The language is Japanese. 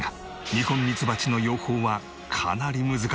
ニホンミツバチの養蜂はかなり難しいという。